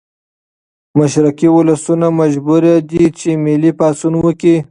مشرقي ولسونه مجبوري دي چې ملي پاڅون وکړي.